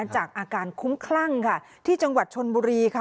จากอาการคุ้มคลั่งค่ะที่จังหวัดชนบุรีค่ะ